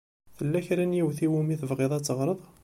Tella kra n yiwet i wumi tebɣiḍ ad teɣṛeḍ?